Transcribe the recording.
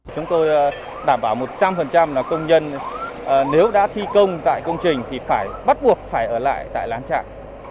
chúng tôi đảm bảo một trăm linh là công nhân nếu đã thi công tại công trình thì phải bắt buộc phải ở lại tại lán trạng